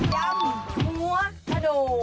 จังหัวขนวลา